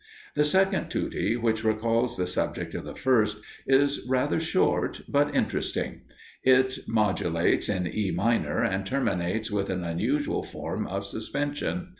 The second tutti, which recalls the subject of the first, is rather short, but interesting; it modulates in E minor, and terminates with an unusual form of suspension.